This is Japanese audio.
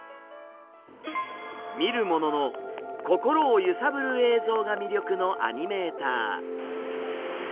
見る者の心を揺さぶる映像が魅力のアニメーター。